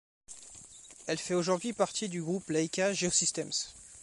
Elle fait aujourd'hui partie du groupe Leica Geosystems.